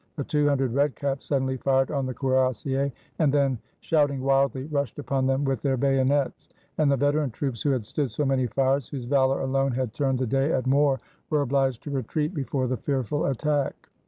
The two hundred red caps suddenly fired on the cuirassiers, and then, shouting wildly, rushed upon them with their bayonets; and the veteran troops, who had stood so many fires, whose valor alone had turned the day at Mor, were obliged to retreat before the fear ful attack.